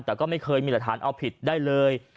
แต่ก็ไม่เคยมีหลักฐานเอาผิดได้เลย